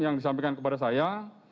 yang disampaikan kepada saya